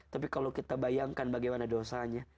tapi kalau kita bayangkan bagaimana dosanya